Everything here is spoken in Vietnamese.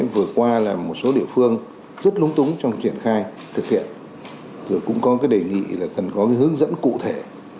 vừa qua là một số địa phương rất lúng túng trong triển khai thực hiện rồi cũng có đề nghị cần có hướng dẫn cụ thể